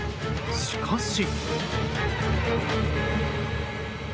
しかし。